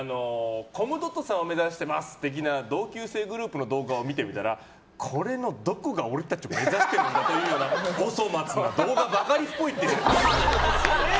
コムドットさんを目指してます的な同級生グループの動画を見てみたらこれのどこが俺たちを目指しているんだという性格悪い！